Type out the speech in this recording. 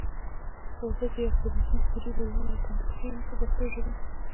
اوبه د یوې خروجي سوري له لارې کنټرول کېږي په پښتو ژبه.